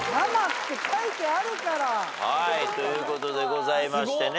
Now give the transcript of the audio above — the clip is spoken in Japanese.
はいということでございましてね